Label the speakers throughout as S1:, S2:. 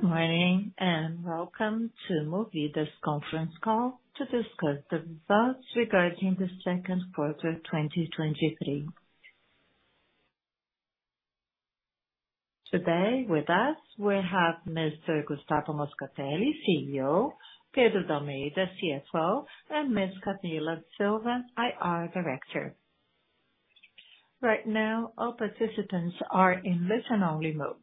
S1: Good morning, and welcome to Movida's conference call to discuss the results regarding the second quarter of 2023. Today with us, we have Mr. Gustavo Moscatelli, CEO, Pedro de Almeida, CFO, and Ms. Camila Silva, IR Director. Right now, all participants are in listen-only mode.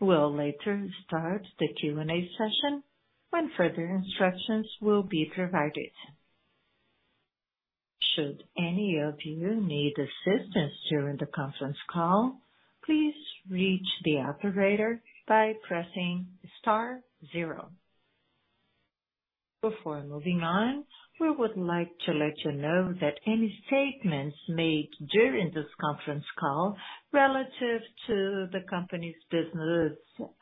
S1: We'll later start the Q&A session when further instructions will be provided. Should any of you need assistance during the conference call, please reach the operator by pressing star zero. Before moving on, we would like to let you know that any statements made during this conference call relative to the company's business,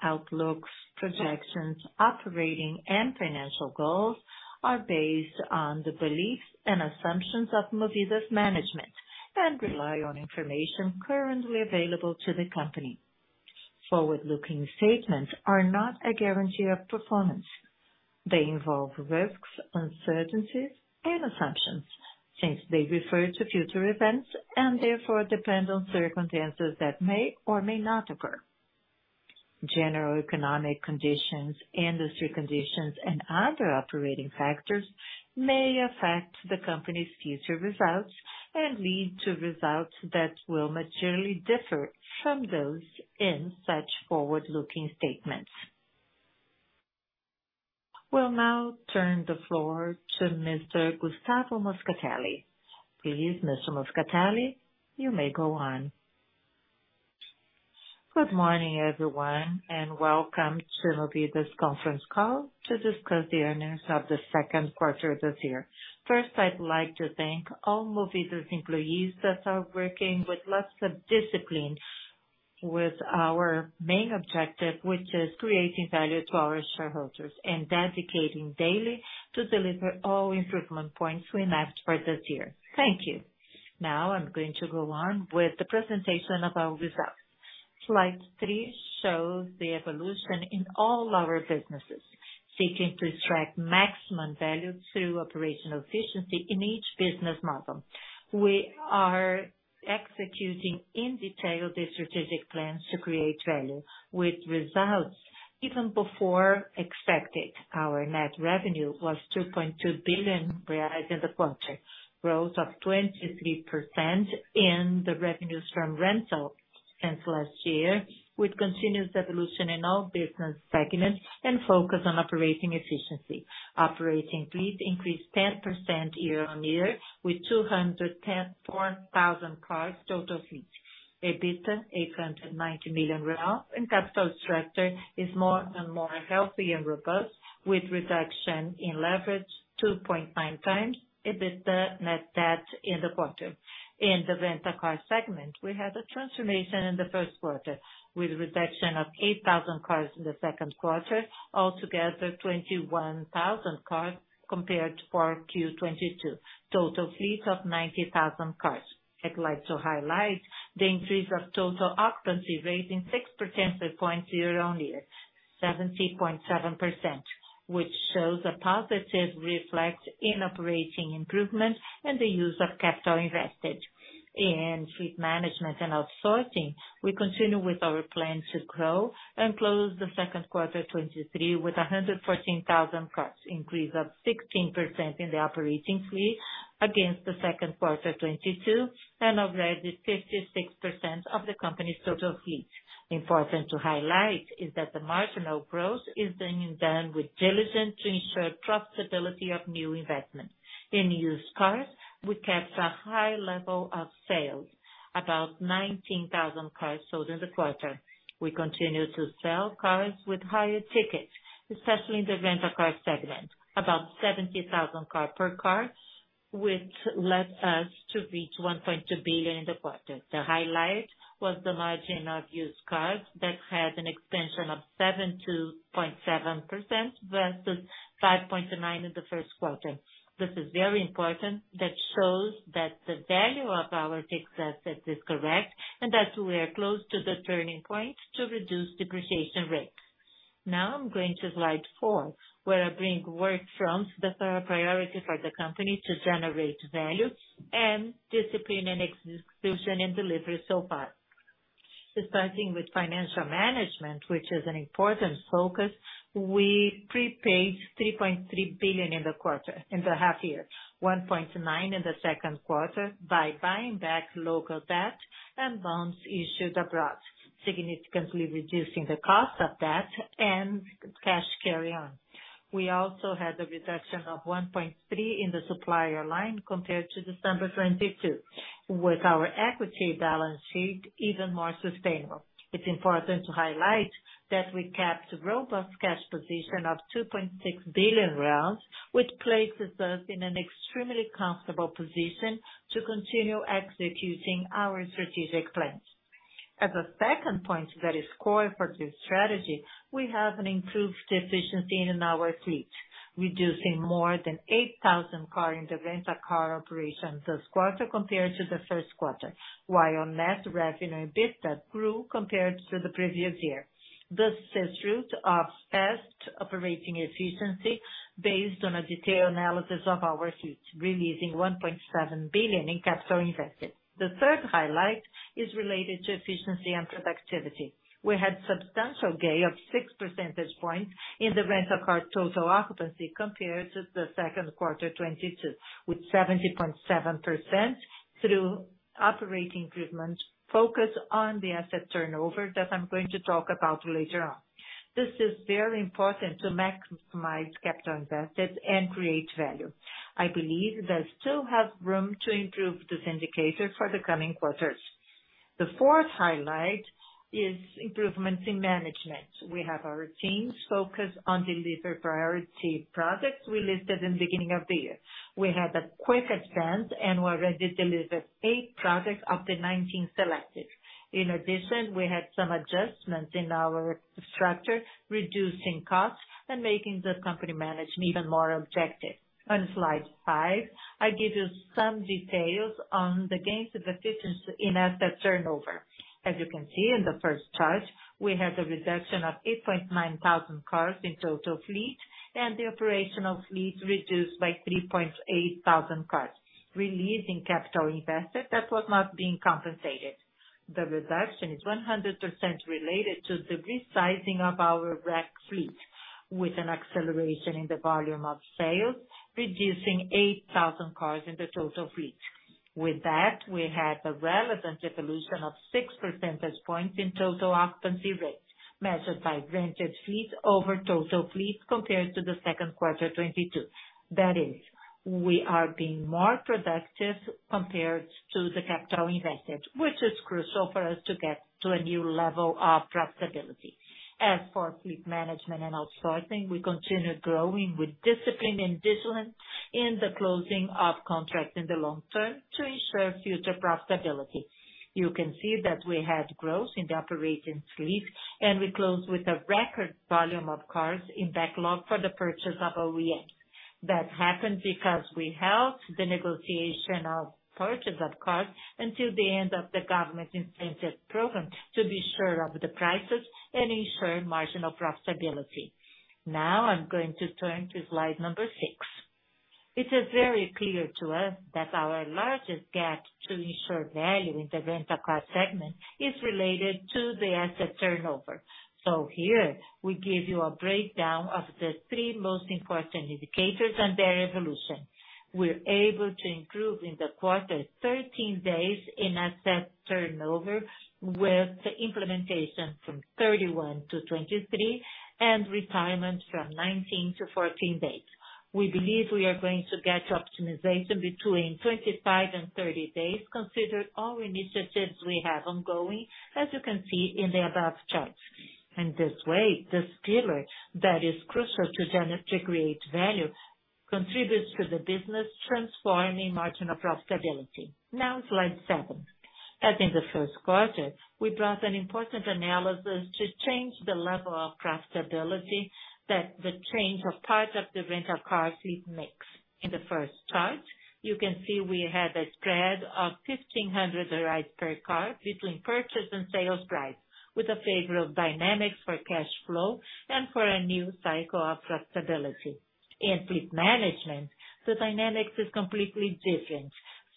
S1: outlooks, projections, operating and financial goals, are based on the beliefs and assumptions of Movida's management, and rely on information currently available to the company. Forward-looking statements are not a guarantee of performance. They involve risks, uncertainties and assumptions, since they refer to future events and therefore depend on circumstances that may or may not occur. General economic conditions, industry conditions, and other operating factors may affect the company's future results and lead to results that will materially differ from those in such forward-looking statements. We'll now turn the floor to Mr. Gustavo Moscatelli. Please, Mr. Moscatelli, you may go on.
S2: Good morning, everyone, and welcome to Movida's conference call to discuss the earnings of the second quarter this year. First, I'd like to thank all Movida's employees that are working with lots of discipline with our main objective, which is creating value to our shareholders, and dedicating daily to deliver all improvement points we asked for this year. Thank you. Now I'm going to go on with the presentation of our results. Slide three shows the evolution in all our businesses, seeking to extract maximum value through operational efficiency in each business model. We are executing in detail the strategic plans to create value with results even before expected. Our net revenue was 2.2 billion in the quarter, growth of 23% in the revenues from rental since last year, with continuous evolution in all business segments and focus on operating efficiency. Operating fleet increased 10% year-on-year, with 214,000 cars total fleet. EBITDA, 890 million real. Capital structure is more and more healthy and robust, with reduction in leverage 2.9x EBITDA net debt in the quarter. In the Rent-a-Car segment, we had a transformation in the first quarter, with a reduction of 8,000 cars in the second quarter. Altogether, 21,000 cars compared for Q2 2022, total fleet of 90,000 cars. I'd like to highlight the increase of total occupancy, raising 6 percentage points year-on-year, 70.7%, which shows a positive reflect in operating improvement and the use of capital invested. In Fleet Management and Outsourcing, we continue with our plan to grow and close the second quarter 2023 with 114,000 cars, increase of 16% in the operating fleet against the second quarter 2022, and already 56% of the company's total fleet. Important to highlight is that the marginal growth is being done with diligence to ensure profitability of new investments. In used cars, we kept a high level of sales, about 19,000 cars sold in the quarter. We continue to sell cars with higher tickets, especially in the Rent-a-Car segment, about 70,000 car per car, which led us to reach 1.2 billion in the quarter. The highlight was the margin of used cars, that had an extension of 7.7% versus 5.9% in the first quarter. This is very important, that shows that the value of our fixed asset is correct and that we are close to the turning point to reduce depreciation rate. Now I'm going to slide four, where I bring work streams that are a priority for the company to generate value and discipline and execution and delivery so far. Starting with financial management, which is an important focus, we prepaid 3.3 billion in the quarter-- in the half year, 1.9 billion in the second quarter, by buying back local debt and bonds issued abroad, significantly reducing the cost of debt and cash carry-on. We also had a reduction of 1.3 billion in the supplier line compared to December 2022, with our equity balance sheet even more sustainable. It's important to highlight that we kept robust cash position of 2.6 billion, which places us in an extremely comfortable position to continue executing our strategic plans. As a second point that is core for this strategy, we have an improved efficiency in our fleet, reducing more than 8,000 car in the Rent-a-Car operations this quarter compared to the first quarter, while our net revenue EBITDA grew compared to the previous year. This is fruit of best operating efficiency based on a detailed analysis of our fleet, releasing 1.7 billion in capital invested. The third highlight is related to efficiency and productivity. We had substantial gain of 6 percentage points in the Rent-a-Car total occupancy compared to the second quarter 2022, with 70.7% through operating improvements, focus on the asset turnover that I'm going to talk about later on. This is very important to maximize capital invested and create value. I believe that still have room to improve this indicator for the coming quarters. The fourth highlight is improvements in management. We have our teams focused on deliver priority projects we listed in the beginning of the year. We had a quick advance and we already delivered eight projects of the 19 selected. In addition, we had some adjustments in our structure, reducing costs and making the company management even more objective. On slide five, I give you some details on the gains of efficiency in asset turnover. As you can see in the first chart, we had a reduction of 8,900 cars in total fleet, and the operational fleet reduced by 3,800 cars, releasing capital invested that was not being compensated. The reduction is 100% related to the resizing of our RAC fleet, with an acceleration in the volume of sales, reducing 8,000 cars in the total fleet. With that, we had a relevant evolution of 6 percentage points in total occupancy rate, measured by rented fleet over total fleet compared to the second quarter 2022. That is, we are being more productive compared to the capital invested, which is crucial for us to get to a new level of profitability. As for Fleet Management and Outsourcing, we continue growing with discipline and discipline in the closing of contracts in the long term to ensure future profitability. You can see that we had growth in the operating fleet, we closed with a record volume of cars in backlog for the purchase of OEM. That happened because we held the negotiation of purchase of cars until the end of the government incentive program to be sure of the prices and ensure marginal profitability. Now I'm going to turn to slide number 6. It is very clear to us that our largest gap to ensure value in the Rent-a-Car segment is related to the asset turnover. Here we give you a breakdown of the three most important indicators and their evolution. We're able to improve in the quarter 13 days in asset turnover, with the implementation from 31 to 23, and retirement from 19 to 14 days. We believe we are going to get optimization between 25 and 30 days, consider all initiatives we have ongoing, as you can see in the above chart. This way, this pillar that is crucial to generate, to create value, contributes to the business transforming margin of profitability. Slide 7. As in the first quarter, we brought an important analysis to change the level of profitability that the change of part of the Rent-a-Car fleet mix. In the first chart, you can see we had a spread of 1,500 per car between purchase and sales price, with a favorable dynamics for cash flow and for a new cycle of profitability. In fleet management, the dynamics is completely different,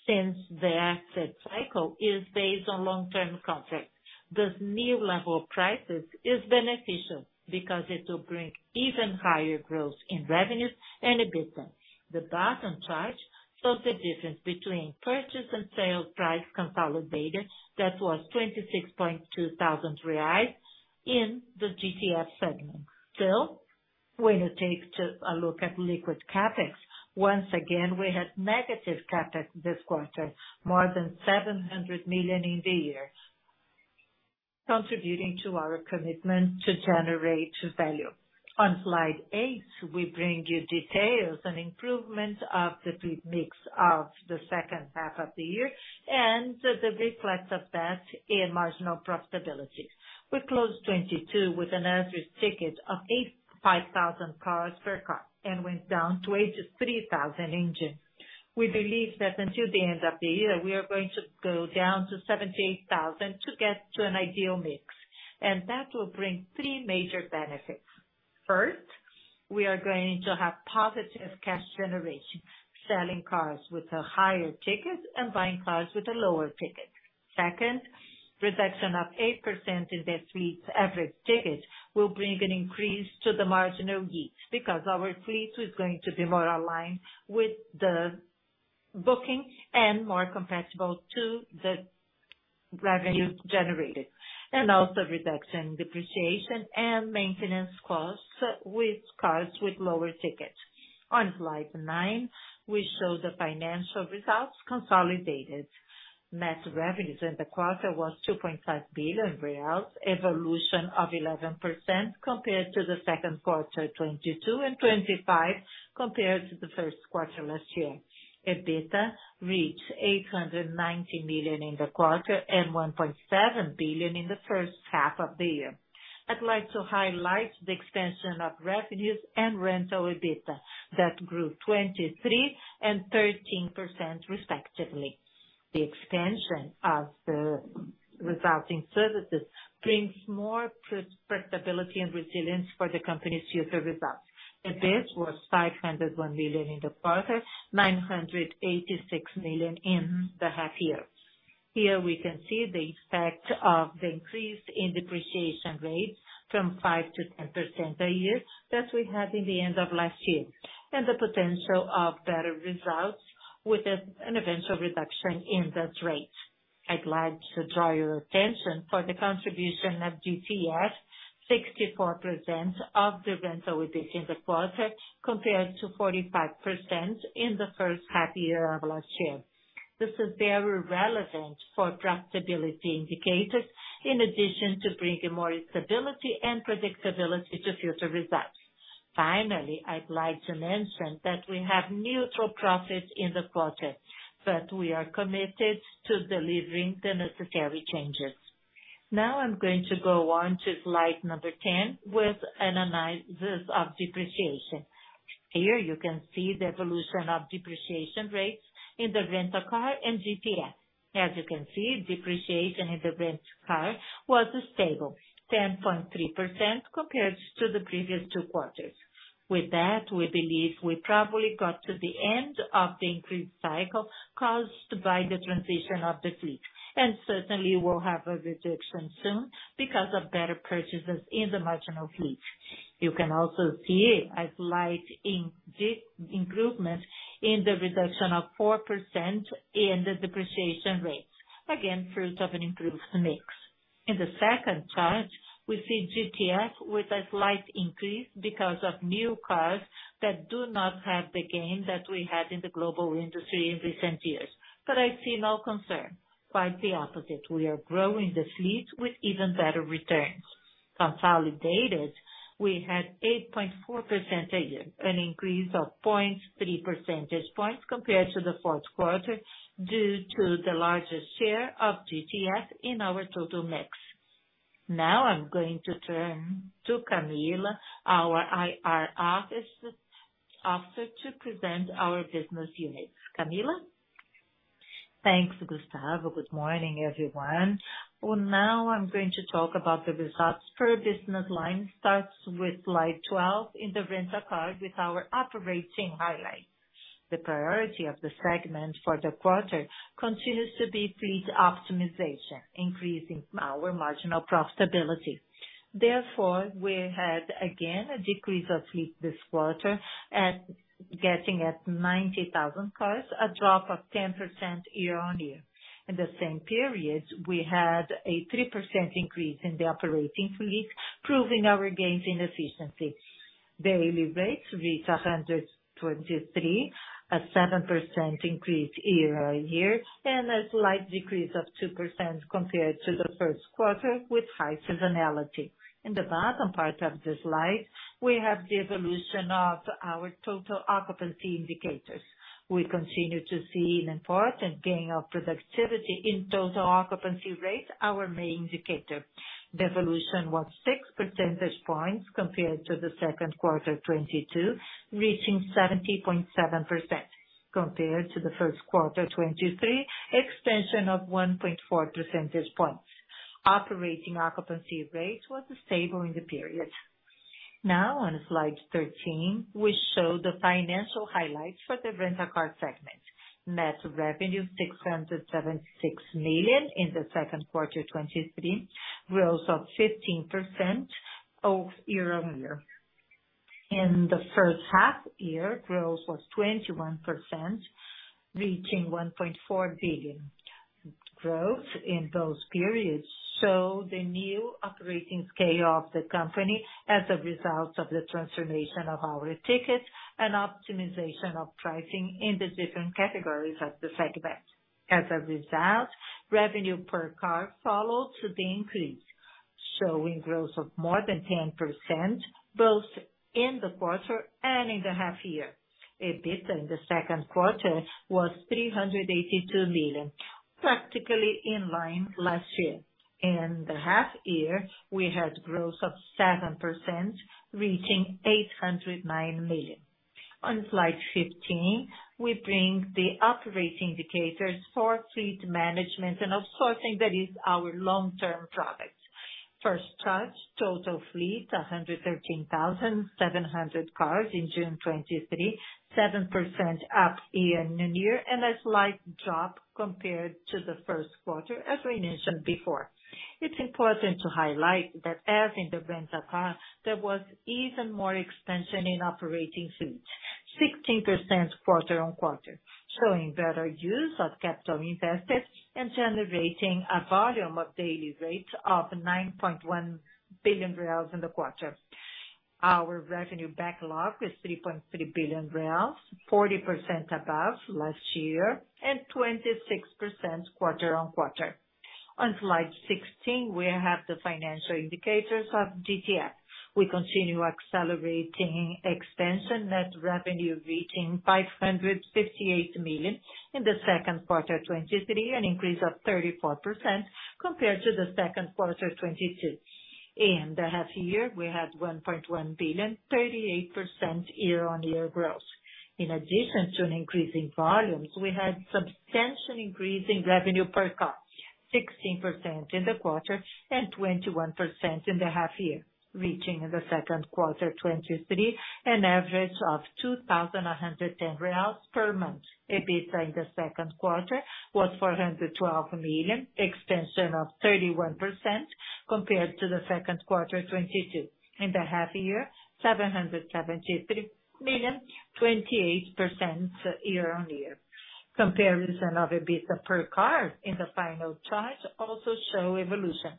S2: since the asset cycle is based on long-term contract. This new level of prices is beneficial because it will bring even higher growth in revenues and EBITDA. The bottom chart shows the difference between purchase and sale price consolidated. That was 26.2 thousand reais in the GTF segment. Still, when you take to a look at liquid CapEx, once again, we had negative CapEx this quarter, more than 700 million in the year, contributing to our commitment to generate value. On slide 8, we bring you details and improvement of the fleet mix of the second half of the year and the reflect of that in marginal profitability. We closed 2022 with an average ticket of 85,000 per car and went down to 83,000 in June. We believe that until the end of the year, we are going to go down to 78,000 to get to an ideal mix, and that will bring three major benefits. First, we are going to have positive cash generation, selling cars with a higher ticket and buying cars with a lower ticket. Second, reduction of 8% in the fleet's average ticket will bring an increase to the marginal yield, because our fleet is going to be more aligned with the booking and more compatible to the revenue generated, also reduction in depreciation and maintenance costs with cars with lower tickets. On slide 9, we show the financial results consolidated. Net revenues in the quarter was 2.5 billion reais, evolution of 11% compared to the second quarter 2022, and 25% compared to the first quarter last year. EBITDA reached 890 million in the quarter and 1.7 billion in the first half of the year. I'd like to highlight the expansion of revenues and rental EBITDA, that grew 23% and 13% respectively. The expansion of the resulting services brings more predictability and resilience for the company's future results. The base was 501 million in the quarter, 986 million in the half year. Here we can see the effect of the increase in depreciation rate from 5% to 10% per year that we had in the end of last year, and the potential of better results with an eventual reduction in this rate. I'd like to draw your attention for the contribution of GTF, 64% of the rental EBITDA in the quarter, compared to 45% in the first half year of last year. This is very relevant for profitability indicators, in addition to bringing more stability and predictability to future results. Finally, I'd like to mention that we have neutral profits in the quarter, but we are committed to delivering the necessary changes. I'm going to go on to slide number 10, with analysis of depreciation. Here you can see the evolution of depreciation rates in the Rent-a-Car and GTF. As you can see, depreciation in the Rent-a-Car was stable, 10.3% compared to the previous two quarters. With that, we believe we probably got to the end of the increased cycle caused by the transition of the fleet, and certainly will have a reduction soon because of better purchases in the marginal fleet. You can also see a slight improvement in the reduction of 4% in the depreciation rate. Again, fruit of an improved mix. In the second chart, we see GTF with a slight increase because of new cars that do not have the gain that we had in the global industry in recent years. I see no concern. Quite the opposite, we are growing the fleet with even better returns. Consolidated, we had 8.4%, an increase of 0.3 percentage points compared to the fourth quarter, due to the larger share of GTF in our total mix. I'm going to turn to Camila, our IR officer, to present our business units. Camila?
S3: Thanks, Gustavo. Good morning, everyone. Well, now I'm going to talk about the results per business line. Starts with slide 12 in the Rent-a-Car with our operating highlights. The priority of the segment for the quarter continues to be fleet optimization, increasing our marginal profitability. We had, again, a decrease of fleet this quarter, getting at 90,000 cars, a drop of 10% year-on-year. In the same period, we had a 3% increase in the operating fleet, proving our gains in efficiency. Daily rates reached 123, a 7% increase year-over-year. A slight decrease of 2% compared to the first quarter with high seasonality. In the bottom part of the slide, we have the evolution of our total occupancy indicators. We continue to see an important gain of productivity in total occupancy rates, our main indicator. The evolution was 6 percentage points compared to the Q2 2022, reaching 70.7% compared to the first quarter 2023, expansion of 1.4 percentage points. Operating occupancy rates was stable in the period. Now, on slide 13, we show the financial highlights for the Rent-a-Car segment. Net revenue, 676 million in the Q2 2023, growth of 15% year-over-year. In the first half year, growth was 21%, reaching 1.4 billion. Growth in those periods show the new operating scale of the company as a result of the transformation of our tickets and optimization of pricing in the different categories of the segment. As a result, revenue per car followed the increase, showing growth of more than 10%, both in the quarter and in the half year. EBITDA in the second quarter was 382 million, practically in line last year. In the half year, we had growth of 7%, reaching 809 million. On slide 15, we bring the operating indicators for Fleet Management and Outsourcing, that is our long-term product. First chart, total fleet, 113,700 cars in June 2023, 7% up year-on-year, and a slight drop compared to the first quarter, as we mentioned before. It's important to highlight that as in the Rent-a-Car, there was even more expansion in operating fleet, 16% quarter-on-quarter, showing better use of capital invested and generating a volume of daily rates of 9.1 billion reais in the quarter. Our revenue backlog is 3.3 billion reais, 40% above last year, and 26% quarter-on-quarter. On slide 16, we have the financial indicators of GTF. We continue accelerating expansion. Net revenue reaching 558 million in the Q223, an increase of 34% compared to the Q222. In the half-year, we had 1.1 billion, 38% year-on-year growth. In addition to an increase in volumes, we had substantial increase in revenue per car, 16% in the quarter and 21% in the half year, reaching in the second quarter 2023, an average of 2,110 reais per month. EBITDA in the second quarter was 412 million, extension of 31% compared to the second quarter 2022. In the half year, 773 million, 28% year-on-year. Comparisons of EBITDA per car in the final chart also show evolution.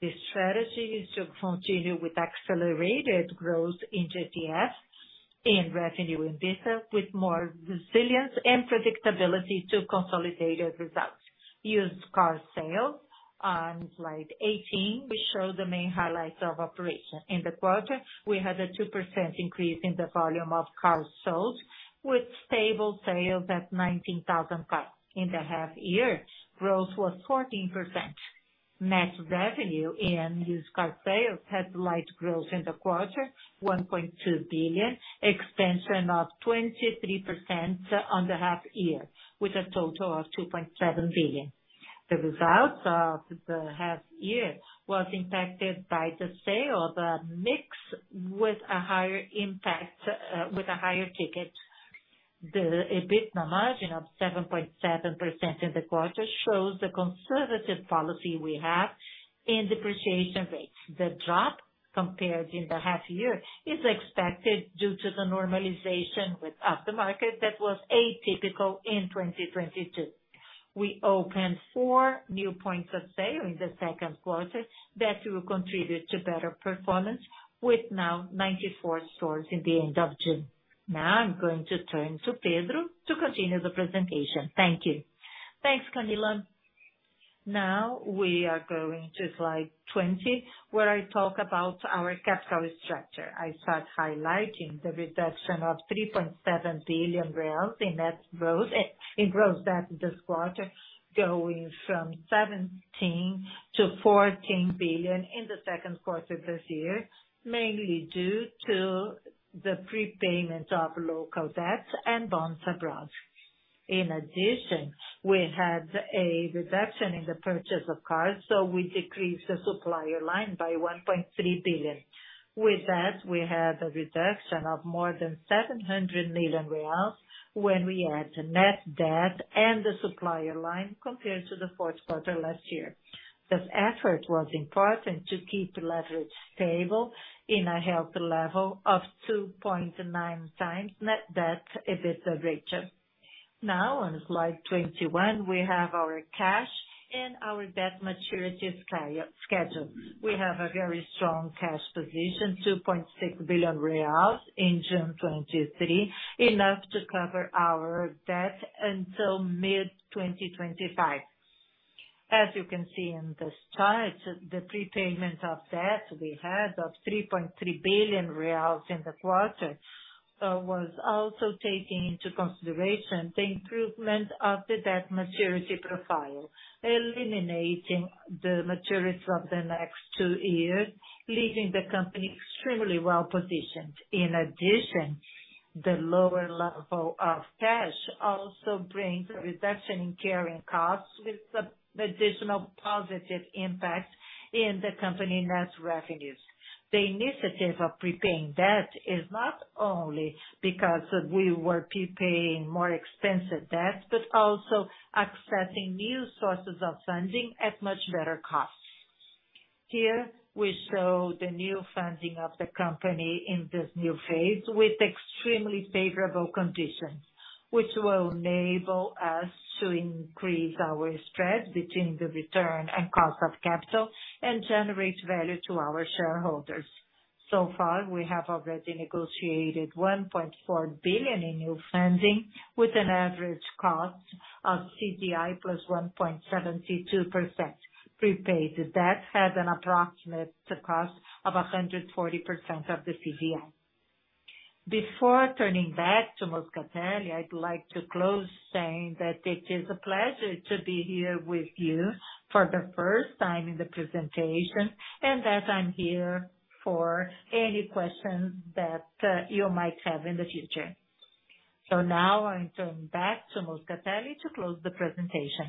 S3: The strategy is to continue with accelerated growth in GTF, in revenue EBITDA, with more resilience and predictability to consolidated results. Used car sales, on slide 18, we show the main highlights of operation. In the quarter, we had a 2% increase in the volume of cars sold, with stable sales at 19,000 cars. In the half year, growth was 14%. Net revenue in used car sales had light growth in the quarter, 1.2 billion, extension of 23% on the half year, with a total of 2.7 billion. The results of the half year was impacted by the sale of the mix with a higher impact, with a higher ticket. The EBITDA margin of 7.7% in the quarter shows the conservative policy we have in depreciation rates. The drop compared in the half year is expected due to the normalization within the market that was atypical in 2022. We opened four new points of sale in the second quarter that will contribute to better performance, with now 94 stores in the end of June. Now I'm going to turn to Pedro to continue the presentation.
S4: Thank you. Thanks, Camila. We are going to slide 20, where I talk about our capital structure. I start highlighting the reduction of 3.7 billion in net growth, in gross debt this quarter, going from 17 to 14 billion in the Q2 this year, mainly due to the prepayment of local debt and bonds abroad. We had a reduction in the purchase of cars, so we decreased the supplier line by 1.3 billion. We had a reduction of more than 700 million reais when we add the net debt and the supplier line compared to the Q4 last year. This effort was important to keep leverage stable in a healthy level of 2.9x net debt EBITDA ratio. On slide 21, we have our cash and our debt maturity schedule. We have a very strong cash position, 2.6 billion reais in June 2023, enough to cover our debt until mid-2025. As you can see in this chart, the prepayment of debt we had of 3.3 billion reais in the quarter, was also taking into consideration the improvement of the debt maturity profile, eliminating the maturity of the next two years, leaving the company extremely well-positioned. In addition, the lower level of cash also brings a reduction in carrying costs, with the additional positive impact in the company net revenues. The initiative of prepaying debt is not only because we were prepaying more expensive debt, but also accessing new sources of funding at much better costs. Here, we show the new funding of the company in this new phase with extremely favorable conditions, which will enable us to increase our spread between the return and cost of capital and generate value to our shareholders. So far, we have already negotiated 1.4 billion in new funding with an average cost of CDI plus 1.72%. Prepaid debt has an approximate cost of 140% of the CDI. Before turning back to Moscatelli, I'd like to close saying that it is a pleasure to be here with you for the first time in the presentation, and that I'm here for any questions that you might have in the future. Now I turn back to Moscatelli to close the presentation.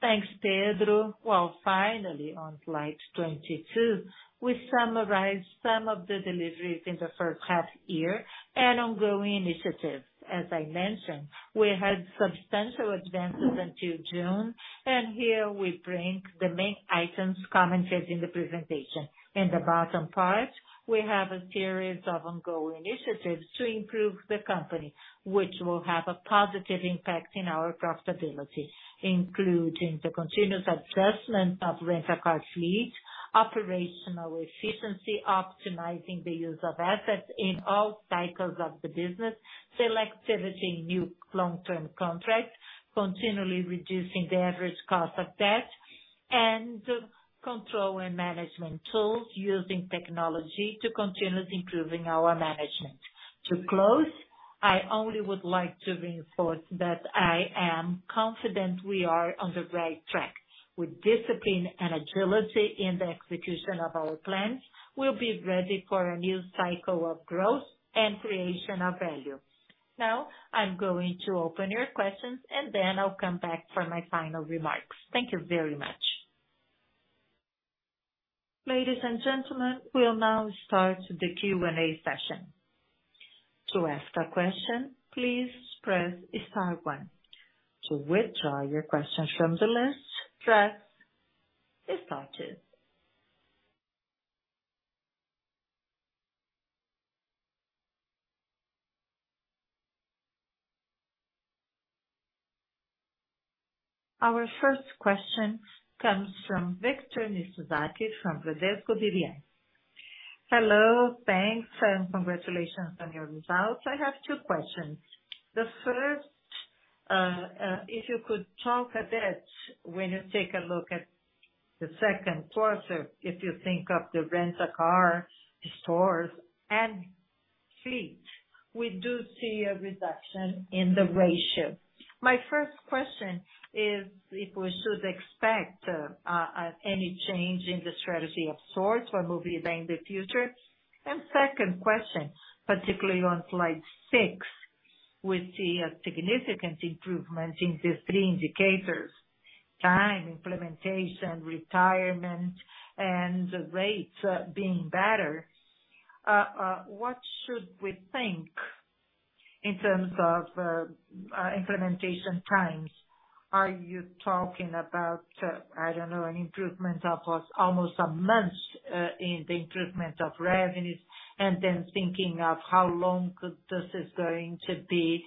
S2: Thanks, Pedro. Well, finally, on slide 22, we summarize some of the deliveries in the first half year and ongoing initiatives. As I mentioned, we had substantial advances until June. Here we bring the main items commented in the presentation. In the bottom part, we have a series of ongoing initiatives to improve the company, which will have a positive impact in our profitability, including the continuous adjustment of rental car fleet, operational efficiency, optimizing the use of assets in all cycles of the business, selectivity in new long-term contracts, continually reducing the average cost of debt, control and management tools using technology to continuously improving our management. To close, I only would like to reinforce that I am confident we are on the right track. With discipline and agility in the execution of our plans, we'll be ready for a new cycle of growth and creation of value. Now I'm going to open your questions. Then I'll come back for my final remarks. Thank you very much.
S1: Ladies and gentlemen, we'll now start the Q&A session. To ask a question, please press star one. To withdraw your question from the list, press star two. Our first question comes from Victor Mizusaki from Bradesco BBI.
S5: Hello. Thanks, and congratulations on your results. I have two questions. The first, if you could talk a bit, when you take a look at the second quarter, if you think of the Rent-a-Car stores and fleet, we do see a reduction in the ratio. My first question is if we should expect any change in the strategy of sorts for Movida in the future? Second question, particularly on slide six, we see a significant improvement in the three indicators: time, implementation, retirement, and the rates being better. What should we think in terms of implementation times? Are you talking about, I don't know, an improvement of almost a month in the improvement of revenues, and then thinking of how long this is going to be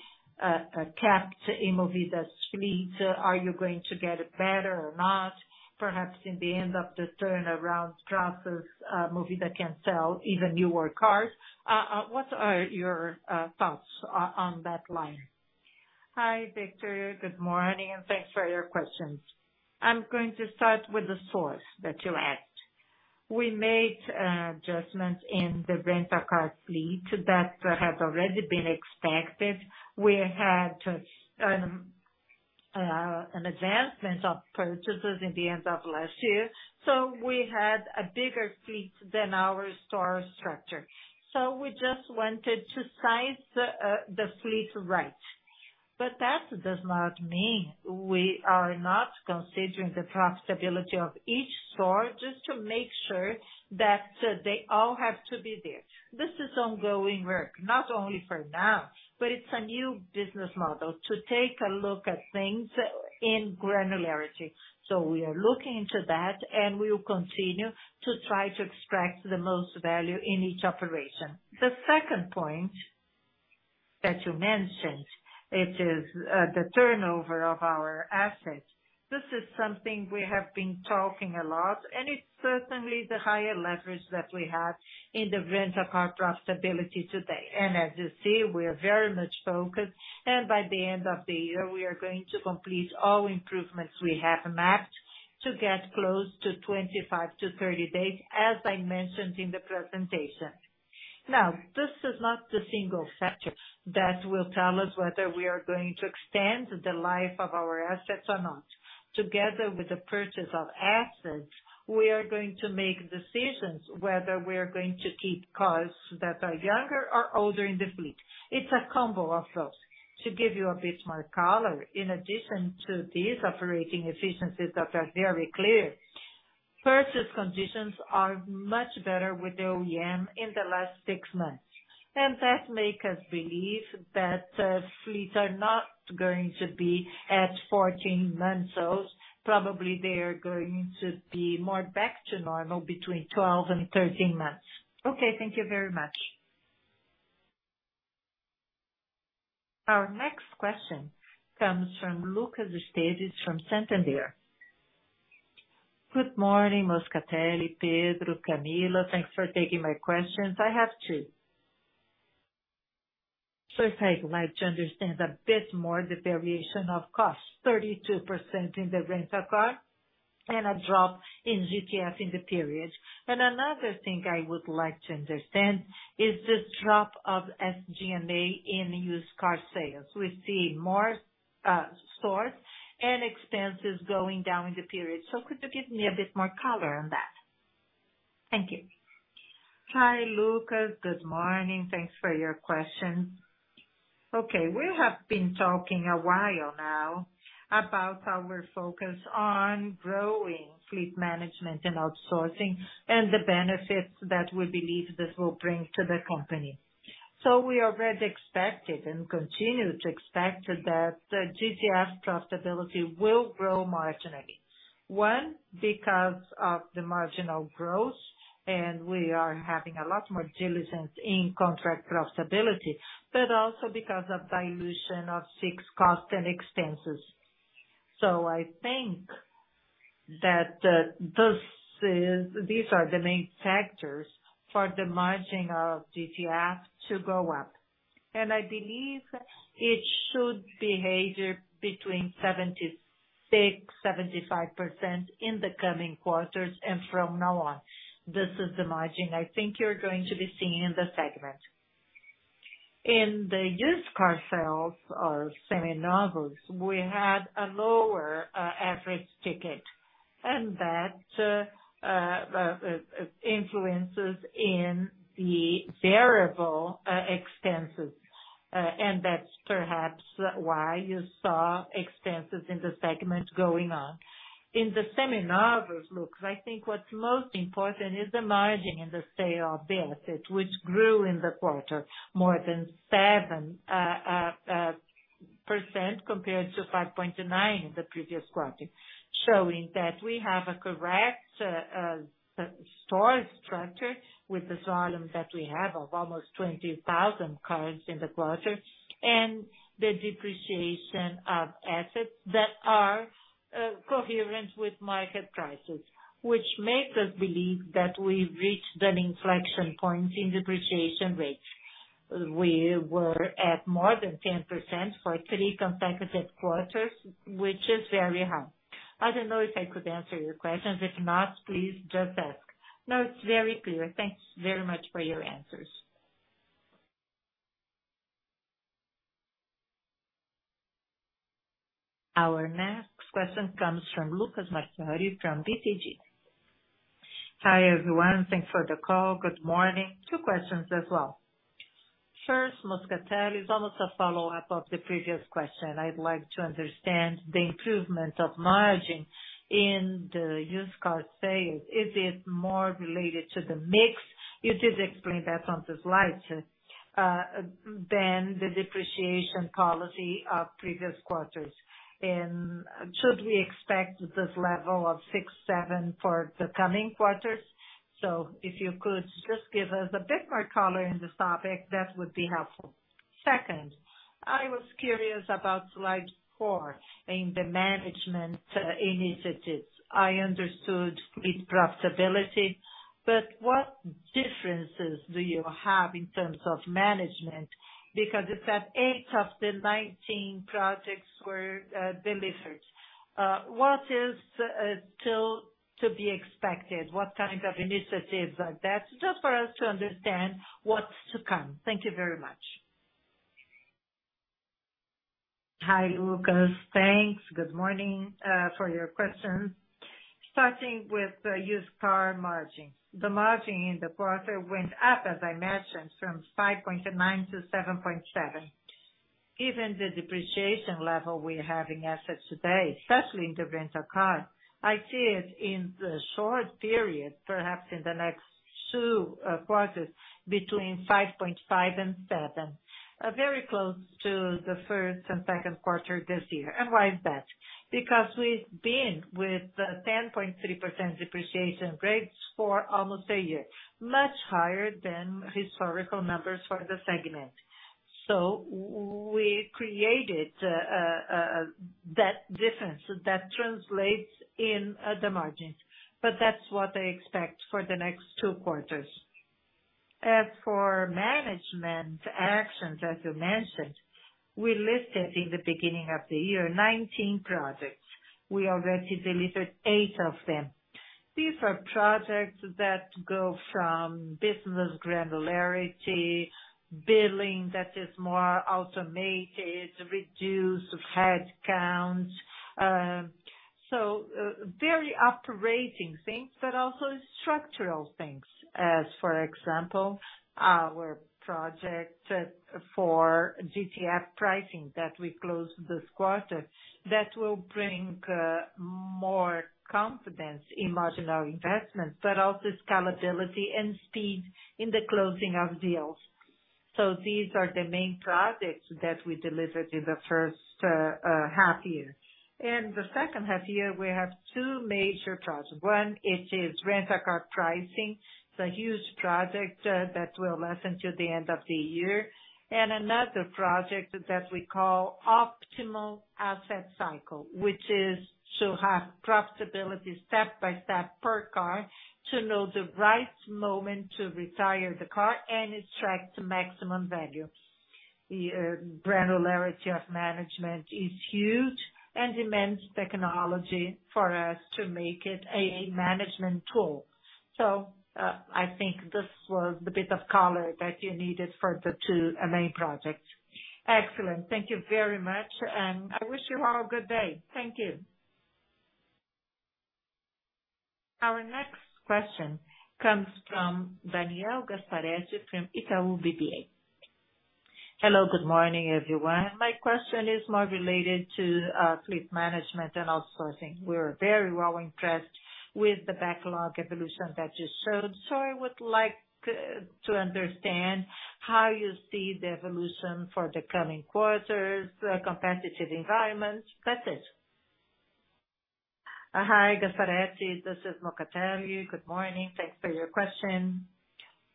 S5: capped in Movida's fleet? Are you going to get it better or not? Perhaps in the end of the turnaround process, Movida can sell even newer cars. What are your thoughts on that line?
S2: Hi, Victor. Good morning, and thanks for your questions. I'm going to start with the source that you asked. We made adjustments in the Rent-a-Car fleet that had already been expected. We had to an advancement of purchases in the end of last year, so we had a bigger fleet than our store structure. We just wanted to size the fleet right. That does not mean we are not considering the profitability of each store, just to make sure that they all have to be there. This is ongoing work, not only for now, but it's a new business model to take a look at things in granularity. We are looking into that, and we will continue to try to extract the most value in each operation. The second point that you mentioned, it is the turnover of our assets. This is something we have been talking a lot, and it's certainly the higher leverage that we have in the Rent-a-Car profitability today. As you see, we are very much focused, and by the end of the year, we are going to complete all improvements we have mapped to get close to 25-30 days, as I mentioned in the presentation. Now, this is not the single factor that will tell us whether we are going to extend the life of our assets or not. Together with the purchase of assets, we are going to make decisions whether we are going to keep cars that are younger or older in the fleet. It's a combo of those. To give you a bit more color, in addition to these operating efficiencies that are very clear, purchase conditions are much better with the OEM in the last six months, and that make us believe that fleets are not going to be at 14 months old. Probably, they are going to be more back to normal between 12 and 13 months.
S5: Okay, thank you very much.
S1: Our next question comes from Lucas Esteves, from Santander. Good morning, Moscatelli, Pedro, Camila.
S6: Thanks for taking my questions. I have two. First, I'd like to understand a bit more the variation of costs, 32% in the Rent-a-Car and a drop in GTF in the period. Another thing I would like to understand is this drop of SG&A in used car sales. We see more stores and expenses going down in the period. Could you give me a bit more color on that?
S2: Thank you. Hi, Lucas. Good morning. Thanks for your question. We have been talking a while now about our focus on growing Fleet Management and Outsourcing, and the benefits that we believe this will bring to the company. We already expected and continue to expect that the GTF profitability will grow marginally. One, because of the marginal growth, and we are having a lot more diligence in contract profitability, but also because of dilution of fixed costs and expenses. I think that these are the main factors for the margin of GTF to go up. I believe it should behave between 76%-75% in the coming quarters, and from now on, this is the margin I think you're going to be seeing in the segment. In the used car sales or Seminovos, we had a lower average ticket, and that influences in the variable expenses. That's perhaps why you saw expenses in the segment going up. In the Seminovos, look, I think what's most important is the margin and the sale benefit, which grew in the quarter more than 7%, compared to 5.9% in the previous quarter. Showing that we have a correct store structure with the volume that we have of almost 20,000 cars in the quarter, and the depreciation of assets that are coherent with market prices, which makes us believe that we've reached an inflection point in depreciation rates. We were at more than 10% for three consecutive quarters, which is very high. I don't know if I could answer your questions. If not, please just ask.
S6: No, it's very clear. Thanks very much for your answers.
S1: Our next question comes from Lucas Martelli, from BTG. Hi, everyone. Thanks for the call.
S7: Good morning. Two questions as well. First, Moscatelli, is almost a follow-up of the previous question. I'd like to understand the improvement of margin in the used car sales. Is it more related to the mix? You did explain that on the slides, than the depreciation policy of previous quarters. Should we expect this level of 6, 7 for the coming quarters? If you could just give us a bit more color in this topic, that would be helpful. Second, I was curious about slide 4, in the management initiatives. I understood fleet profitability, what differences do you have in terms of management? It said 8 of the 19 projects were delivered. What is still to be expected? What kind of initiatives like that? Just for us to understand what's to come. Thank you very much.
S2: Hi, Lucas. Thanks. Good morning, for your questions. Starting with the used car margin. The margin in the quarter went up, as I mentioned, from 5.9 to 7.7. Given the depreciation level we have in assets today, especially in the Rent-a-Car, I see it in the short period, perhaps in the next two quarters, between 5.5 and 7. Very close to the first and second quarter this year. Why is that? Because we've been with 10.3% depreciation rates for almost a year, much higher than historical numbers for the segment. W-we created that difference, that translates in the margins, but that's what I expect for the next two quarters. As for management actions, as you mentioned, we listed in the beginning of the year, 19 projects. We already delivered eight of them. These are projects that go from business granularity, billing that is more automated, reduce headcounts, very operating things, but also structural things. As for example, our project for GTF pricing that we closed this quarter, that will bring more confidence in marginal investment, but also scalability and speed in the closing of deals. These are the main projects that we delivered in the first half year. In the second half year, we have two major projects. One, it is rental car pricing. It's a huge project that will last until the end of the year. Another project that we call optimal asset cycle, which is to have profitability step by step per car, to know the right moment to retire the car and extract maximum value. The granularity of management is huge and demands technology for us to make it a management tool. I think this was the bit of color that you needed for the two main projects.
S7: Excellent. Thank you very much, and I wish you all a good day.
S2: Thank you.
S1: Our next question comes from Daniele Gasparetti, from Itaú BBA.
S8: Hello, good morning, everyone. My question is more related to fleet management and also I think we're very well impressed with the backlog evolution that you showed. I would like to understand how you see the evolution for the coming quarters, the competitive environment, that's it.
S2: Hi, Gasparetti, this is Moscatelli. Good morning. Thanks for your question.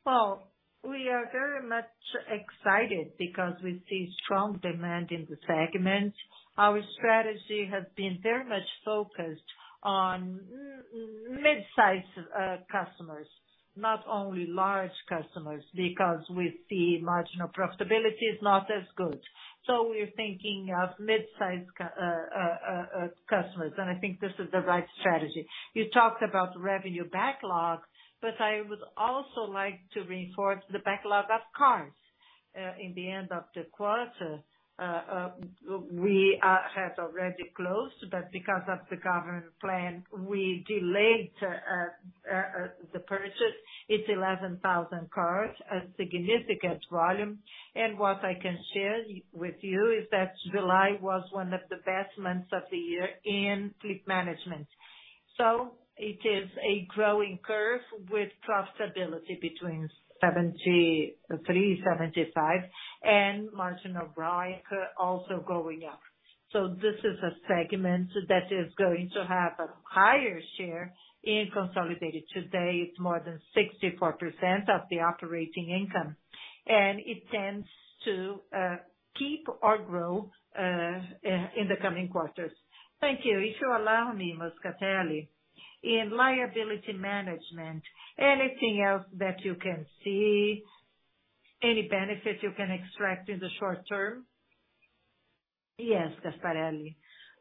S2: Well, we are very much excited because we see strong demand in the segment. Our strategy has been very much focused on mid-sized customers, not only large customers, because we see marginal profitability is not as good. We're thinking of mid-sized customers, and I think this is the right strategy. You talked about revenue backlog, I would also like to reinforce the backlog of cars in the end of the quarter. W- we had already closed, because of the government plan, we delayed the purchase. It's 11,000 cars, a significant volume. What I can share y- with you is that July was one of the best months of the year in Fleet Management. It is a growing curve with profitability between 73-75, and marginal ROIC also going up. This is a segment that is going to have a higher share in consolidated. Today, it's more than 64% of the operating income, it tends to keep or grow in the coming quarters.
S8: Thank you. If you allow me, Moscatelli, in liability management, anything else that you can see, any benefit you can extract in the short term?
S2: Yes, Gasparetti.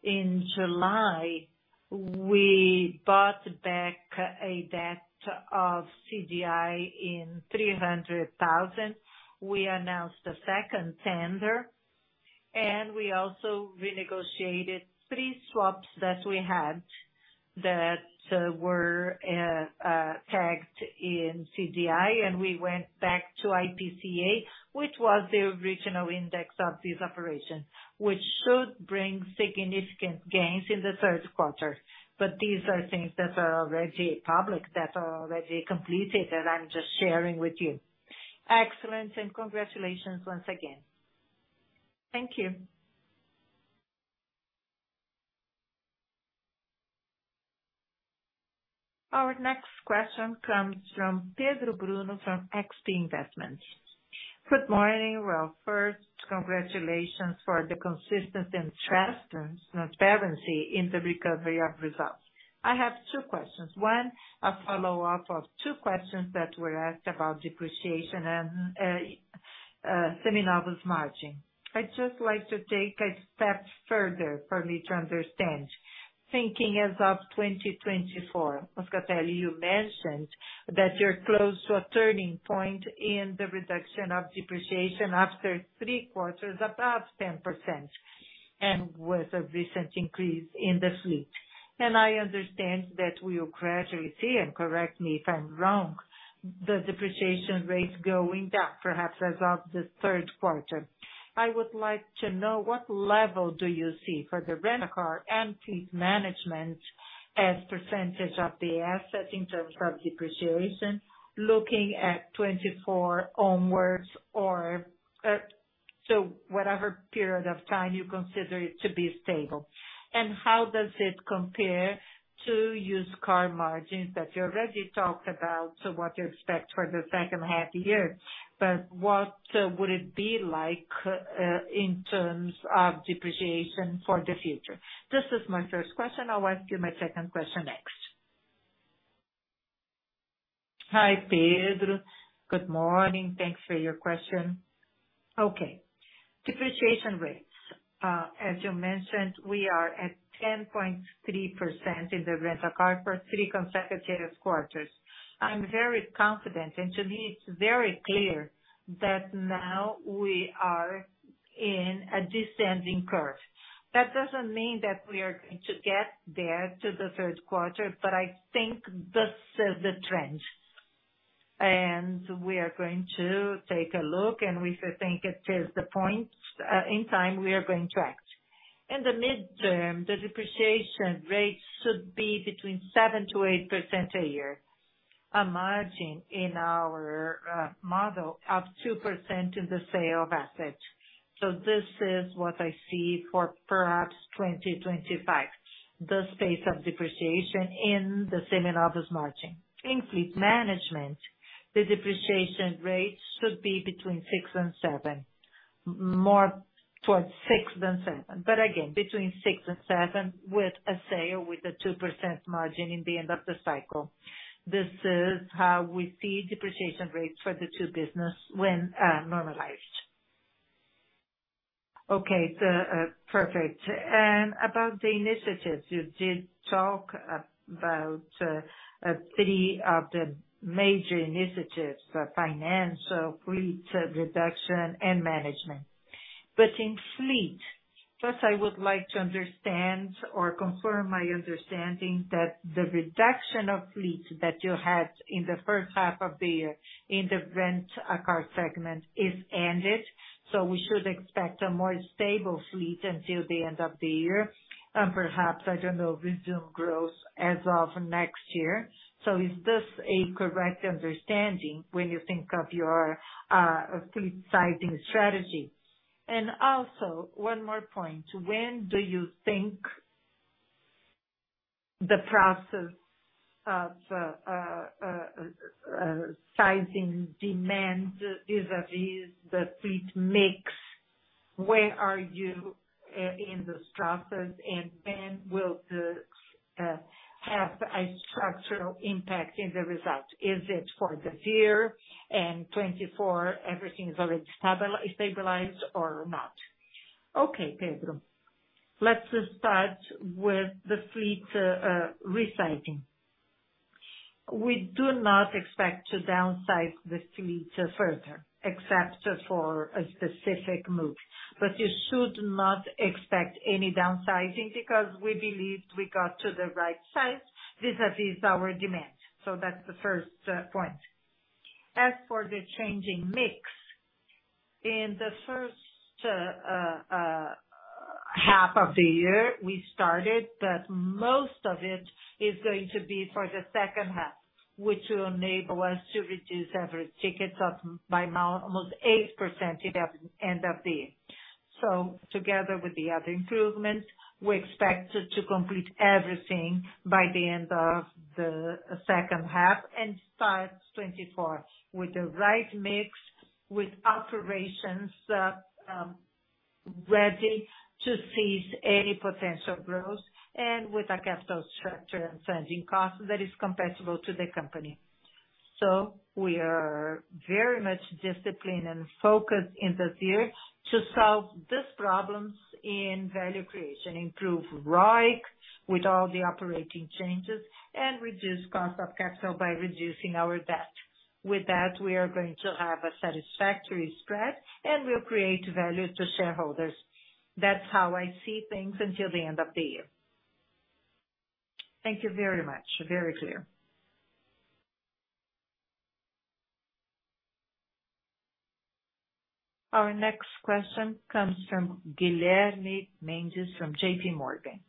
S2: In July, we bought back a debt of CDI + 300 bps. We announced a second tender, we also renegotiated three swaps that we had, that were tagged in CDI, and we went back to IPCA, which was the original index of this operation, which should bring significant gains in the third quarter. These are things that are already public, that are already completed, and I'm just sharing with you.
S8: Excellent, congratulations once again.
S2: Thank you.
S1: Our next question comes from Pedro Bruno, from XP Investments.
S9: Good morning. Well, first, congratulations for the consistency and transparency in the recovery of results. I have two questions. One, a follow-up of two questions that were asked about depreciation and Seminovos margin. I'd just like to take a step further for me to understand, thinking as of 2024, Moscatelli, you mentioned that you're close to a turning point in the reduction of depreciation after three quarters, above 10%, and with a recent increase in the fleet. I understand that we will gradually see, and correct me if I'm wrong, the depreciation rate going down, perhaps as of the third quarter. I would like to know, what level do you see for the Rent-a-Car and Fleet Management as percentage of the asset in terms of depreciation, looking at 2024 onwards, so whatever period of time you consider it to be stable? How does it compare to used car margins that you already talked about, so what you expect for the second half year, but what would it be like in terms of depreciation for the future? This is my first question. I'll ask you my second question next.
S2: Hi, Pedro. Good morning. Thanks for your question. Okay. Depreciation rates. As you mentioned, we are at 10.3% in the Rent-a-Car for three consecutive quarters. I'm very confident, and to me, it's very clear that now we are in a descending curve. That doesn't mean that we are going to get there to the third quarter, but I think this is the trend, and we are going to take a look, and we think it is the point in time we are going to act. In the midterm, the depreciation rate should be between 7%-8% a year, a margin in our model of 2% in the sale of assets. This is what I see for perhaps 2025, the space of depreciation in the Seminovos margin. In fleet management, the depreciation rate should be between 6 and 7, more towards 6 than 7, but again, between 6 and 7, with a sale with a 2% margin in the end of the cycle. This is how we see depreciation rates for the two business when normalized.
S9: Okay, perfect. About the initiatives, you did talk about three of the major initiatives, the financial, fleet reduction and management. In fleet, first I would like to understand or confirm my understanding that the reduction of fleet that you had in the first half of the year in the Rent-a-Car segment is ended, we should expect a more stable fleet until the end of the year, and perhaps, I don't know, resume growth as of next year. Is this a correct understanding when you think of your fleet sizing strategy? Also, one more point, when do you think the process of sizing demand vis-a-vis the fleet mix, where are you in this process, and when will the have a structural impact in the results? Is it for the year and 2024, everything is already stabilized or not?
S2: Pedro, let's start with the fleet resizing. We do not expect to downsize the fleet further, except for a specific move. You should not expect any downsizing because we believe we got to the right size vis-a-vis our demand. That's the first point. As for the changing mix, in the first half of the year, we started, but most of it is going to be for the second half, which will enable us to reduce average tickets of, by now, almost 8% in the end of the year. Together with the other improvements, we expect to complete everything by the end of the second half and start 2024 with the right mix, with operations that ready to seize any potential growth and with a capital structure and funding cost that is comparable to the company. We are very much disciplined and focused in this year to solve these problems in value creation, improve ROIC with all the operating changes, and reduce cost of capital by reducing our debt. With that, we are going to have a satisfactory spread, and we'll create value to shareholders. That's how I see things until the end of the year.
S9: Thank you very much. Very clear.
S1: Our next question comes from Guilherme Mendes, from JP Morgan.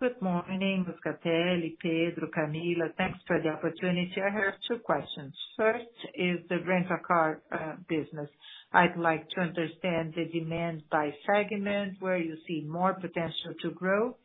S10: Good morning, Moscatelli, Pedro, Camila. Thanks for the opportunity. I have two questions. First is the Rent-a-Car business. I'd like to understand the demand by segment, where you see more potential to grow.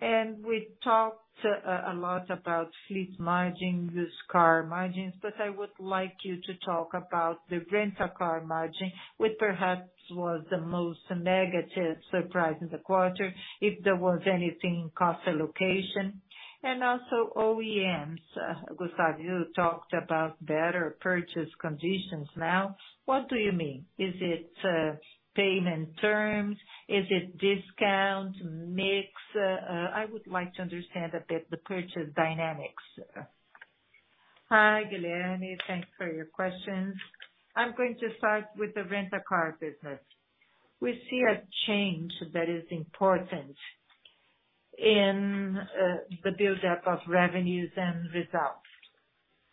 S10: We talked a lot about fleet margins, used car margins, but I would like you to talk about the Rent-a-Car margin, which perhaps was the most negative surprise in the quarter, if there was anything in cost allocation, and also OEMs. Gustavo, you talked about better purchase conditions now. What do you mean? Is it payment terms? Is it discount, mix? I would like to understand a bit the purchase dynamics.
S2: Hi, Guilherme. Thanks for your questions. I'm going to start with the Rent-a-Car business. We see a change that is important in the buildup of revenues and results.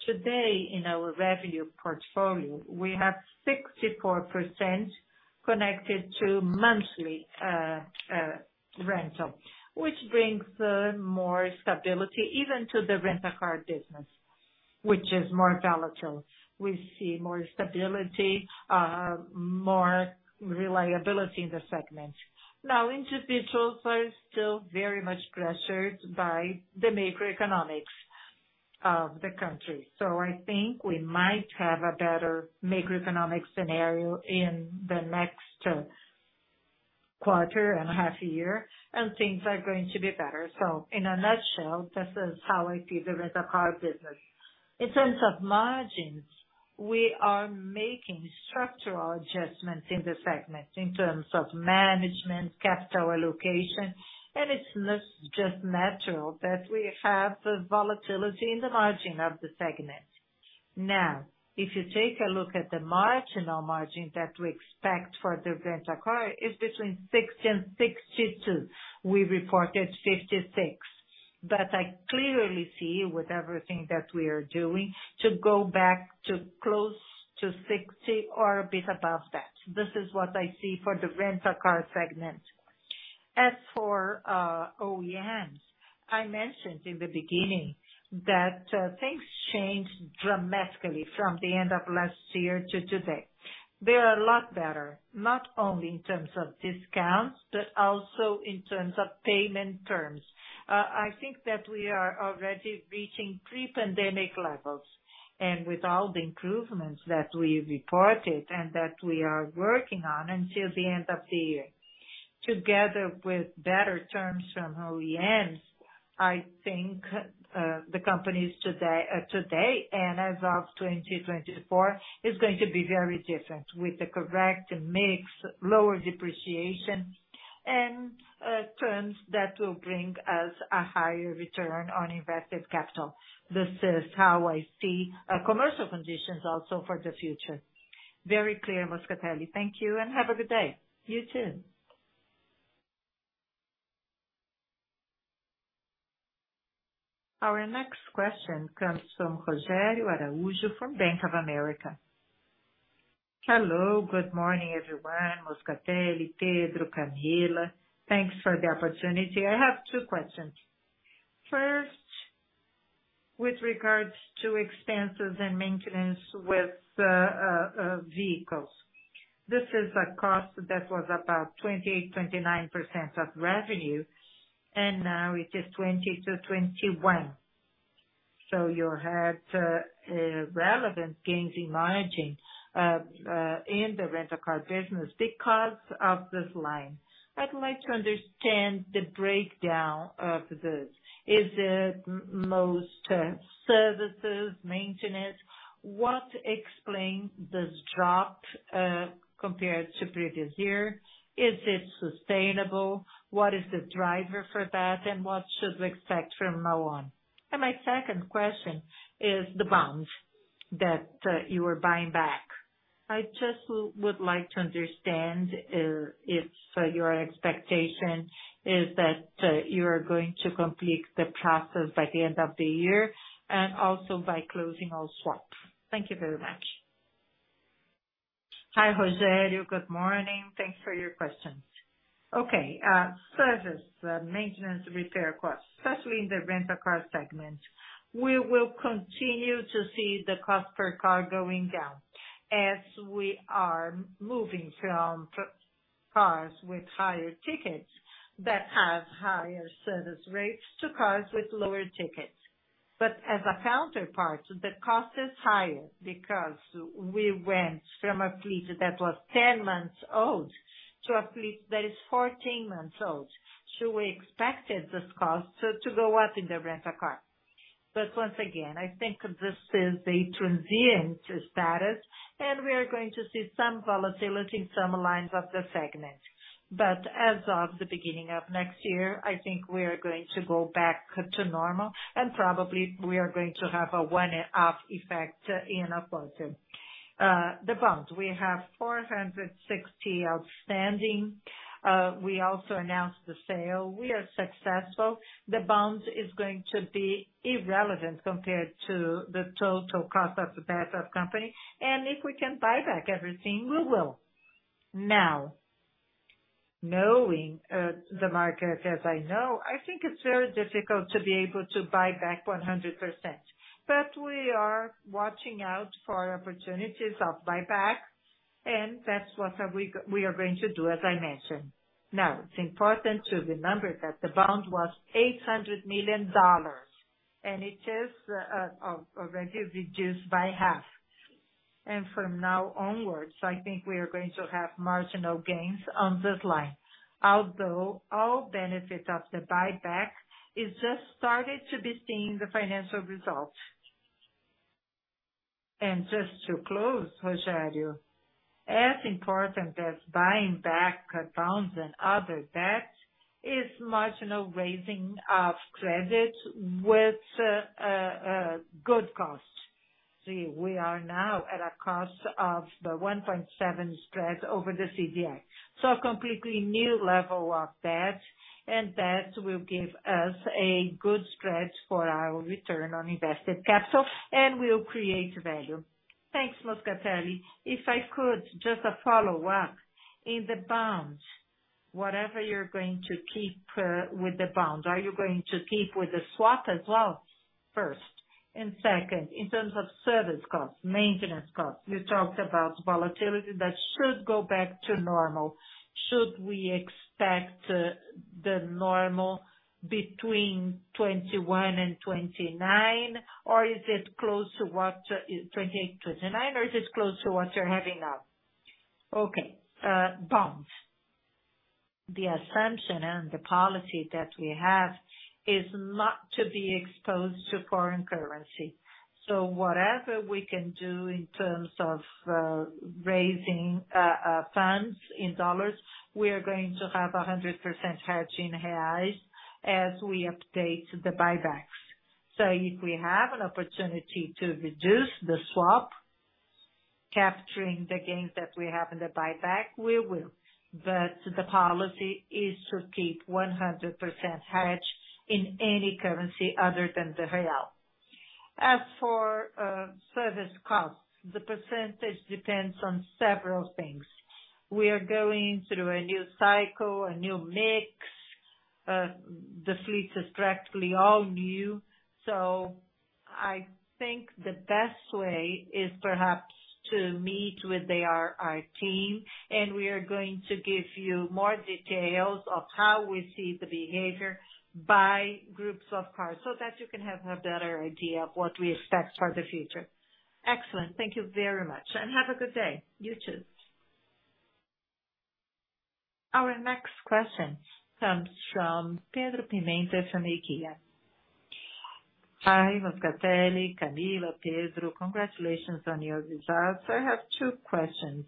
S2: Today, in our revenue portfolio, we have 64% connected to monthly rental, which brings more stability even to the Rent-a-Car business, which is more volatile. We see more stability, more reliability in the segment. Individuals are still very much pressured by the macroeconomics of the country. I think we might have a better macroeconomic scenario in the next quarter and half year, and things are going to be better. In a nutshell, this is how I see the Rent-a-Car business. In terms of margins, we are making structural adjustments in the segment in terms of management, capital allocation, and it's just natural that we have a volatility in the margin of the segment. If you take a look at the marginal margin that we expect for the Rent-a-Car, is between 60 and 62. We reported 56. I clearly see with everything that we are doing, to go back to close to 60 or a bit above that. This is what I see for the Rent-a-Car segment. As for OEMs, I mentioned in the beginning that things changed dramatically from the end of last year to today. They are a lot better, not only in terms of discounts, but also in terms of payment terms. I think that we are already reaching pre-pandemic levels, with all the improvements that we reported and that we are working on until the end of the year. Together with better terms from OEMs, I think the companies today, today and as of 2024, is going to be very different, with the correct mix, lower depreciation, and terms that will bring us a higher return on invested capital. This is how I see commercial conditions also for the future.
S10: Very clear, Moscatelli. Thank you, have a good day.
S2: You, too.
S1: Our next question comes from Rogério Araújo from Bank of America.
S11: Hello, good morning, everyone, Moscatelli, Pedro, Camila. Thanks for the opportunity. I have two questions. With regards to expenses and maintenance with vehicles. This is a cost that was about 28%-29% of revenue, and now it is 20%-21%. You had relevant gains in margin in the rental car business because of this line. I'd like to understand the breakdown of this. Is it most services, maintenance? What explains this drop compared to previous year? Is it sustainable? What is the driver for that, and what should we expect from now on? My second question is the bonds that you were buying back. I just would like to understand if your expectation is that you are going to complete the process by the end of the year, and also by closing all swaps. Thank you very much.
S2: Hi, Rogério, good morning. Thanks for your questions. Okay, service, maintenance, repair costs, especially in the rental car segment, we will continue to see the cost per car going down as we are moving from cars with higher tickets that have higher service rates to cars with lower tickets. As a counterpart, the cost is higher because we went from a fleet that was 10 months old to a fleet that is 14 months old. We expected this cost to go up in the rental car. Once again, I think this is a transient status, and we are going to see some volatility in some lines of the segment. As of the beginning of next year, I think we are going to go back to normal, and probably we are going to have a one-off effect in our budget. The bonds, we have 460 outstanding. We also announced the sale. We are successful. The bond is going to be irrelevant compared to the total cost of the debt of company, and if we can buy back everything, we will. Knowing the market as I know, I think it's very difficult to be able to buy back 100%. We are watching out for opportunities of buyback, and that's what we, we are going to do, as I mentioned. It's important to remember that the bond was $800 million, and it is already reduced by half. From now onwards, I think we are going to have marginal gains on this line, although all benefit of the buyback is just started to be seeing the financial results. Just to close, Rogério, as important as buying back bonds and other debt, is marginal raising of credit with good cost. See, we are now at a cost of the 1.7 spread over the CDI. A completely new level of debt, and that will give us a good stretch for our return on invested capital and will create value.
S11: Thanks, Moscatelli. If I could, just a follow-up. In the bonds, whatever you're going to keep, with the bonds, are you going to keep with the swap as well, first? Second, in terms of service costs, maintenance costs, you talked about volatility that should go back to normal. Should we expect the normal between 21 and 29, or is it close to what 28, 29, or is this close to what you're having now?
S2: Okay. Bonds. The assumption and the policy that we have is not to be exposed to foreign currency. Whatever we can do in terms of raising funds in dollars, we are going to have a 100% hedge in reais as we update the buybacks. If we have an opportunity to reduce the swap, capturing the gains that we have in the buyback, we will. The policy is to keep 100% hedge in any currency other than the real. As for service costs, the percentage depends on several things. We are going through a new cycle, a new mix, the fleet is practically all new. I think the best way is perhaps to meet with the IR team, and we are going to give you more details of how we see the behavior by groups of cars, so that you can have a better idea of what we expect for the future.
S11: Excellent. Thank you very much, and have a good day.
S2: You too.
S1: Our next question comes from Pedro Pimenta from EQI.
S12: Hi, Moscatelli, Camila, Pedro. Congratulations on your results. I have two questions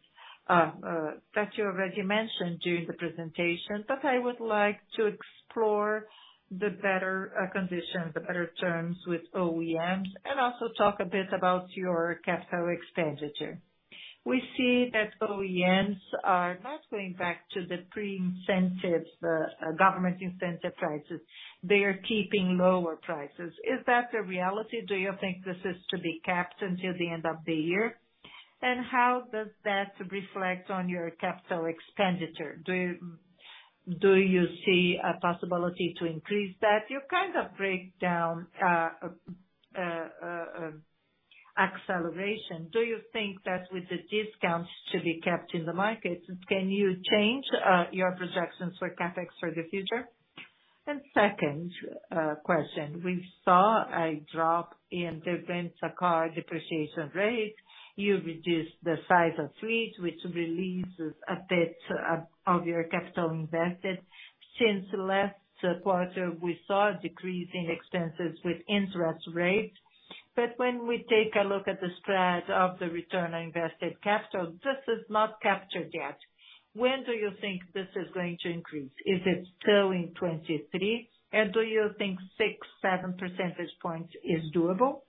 S12: that you already mentioned during the presentation. I would like to explore the better conditions, the better terms with OEMs, and also talk a bit about your capital expenditure. We see that OEMs are not going back to the pre-incentives, government incentive prices. They are keeping lower prices. Is that a reality? Do you think this is to be kept until the end of the year? How does that reflect on your capital expenditure? Do you see a possibility to increase that? You kind of break down acceleration. Do you think that with the discounts to be kept in the market, can you change your projections for CapEx for the future? Second, question, we saw a drop in the Rent-a-Car depreciation rate. You reduced the size of fleet, which releases a bit of, of your capital invested. Since last quarter, we saw a decrease in expenses with interest rates, but when we take a look at the spread of the return on invested capital, this is not captured yet. When do you think this is going to increase? Is it still in 2023? Do you think 6-7 percentage points is doable?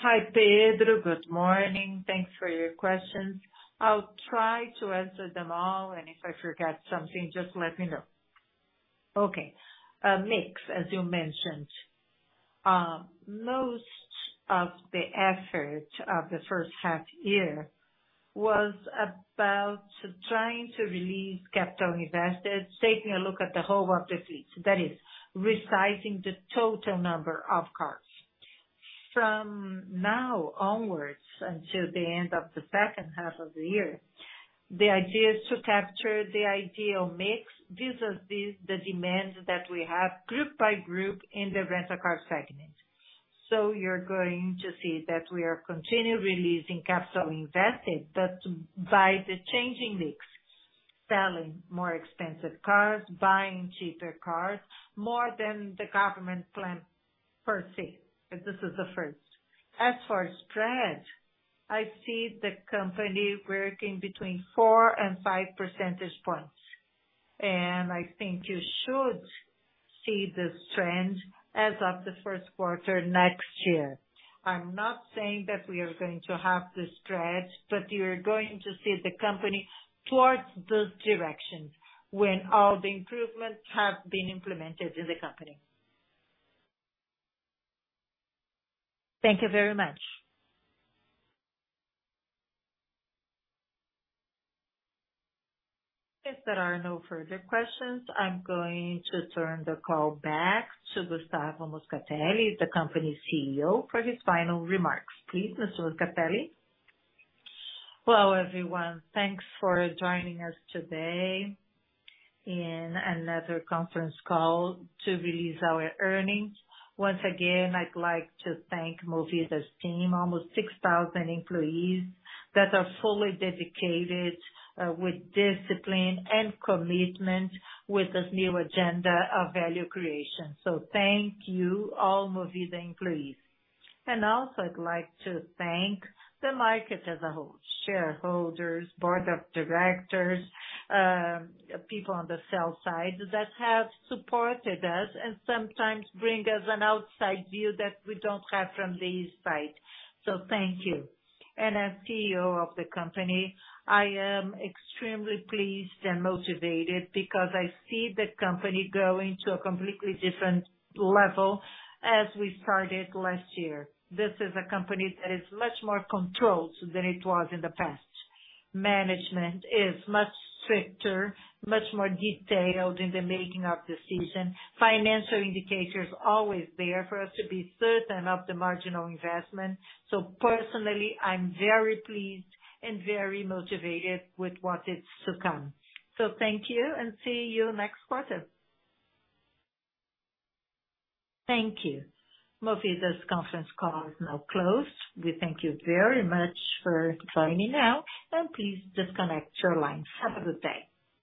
S2: Hi, Pedro. Good morning. Thanks for your questions. I'll try to answer them all, and if I forget something, just let me know. Okay. Mix, as you mentioned, most of the effort of the first half year was about trying to release capital invested, taking a look at the whole of the fleet. That is, resizing the total number of cars. From now onwards, until the end of the second half of the year, the idea is to capture the ideal mix vis-a-vis the demand that we have, group by group, in the Rent-a-Car segment. You're going to see that we are continually releasing capital invested, but by the changing mix, selling more expensive cars, buying cheaper cars, more than the government plan per se. This is the first. As for spread, I see the company working between 4 and 5 percentage points, and I think you should see this trend as of the first quarter next year. I'm not saying that we are going to have the stretch, but you're going to see the company towards those directions when all the improvements have been implemented in the company.
S12: Thank you very much.
S1: If there are no further questions, I'm going to turn the call back to Gustavo Moscatelli, the company's CEO, for his final remarks. Please, Mr. Moscatelli.
S2: Well, everyone, thanks for joining us today in another conference call to release our earnings. Once again, I'd like to thank Movida's team, almost 6,000 employees, that are fully dedicated, with discipline and commitment with this new agenda of value creation. Thank you, all Movida employees. Also, I'd like to thank the market as a whole, shareholders, board of directors, people on the sell side that have supported us and sometimes bring us an outside view that we don't have from this side. Thank you. As CEO of the company, I am extremely pleased and motivated because I see the company going to a completely different level as we started last year. This is a company that is much more controlled than it was in the past. Management is much stricter, much more detailed in the making of decision. Financial indicators always there for us to be certain of the marginal investment. Personally, I'm very pleased and very motivated with what is to come. Thank you, and see you next quarter.
S1: Thank you. Movida's conference call is now closed. We thank you very much for joining me now, and please disconnect your lines. Have a good day.